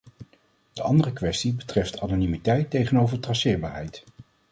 De andere kwestie betreft anonimiteit tegenover traceerbaarheid.